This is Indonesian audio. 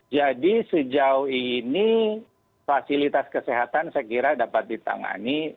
jadi sejauh ini fasilitas kesehatan saya kira dapat ditangani